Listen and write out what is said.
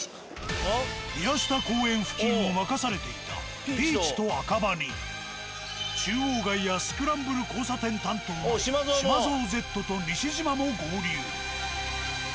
宮下公園付近を任されていたピーチと赤羽に中央街やスクランブル交差点担当のしまぞうＺと西島も合流。